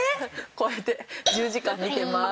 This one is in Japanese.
こうやって１０時間見てまーす。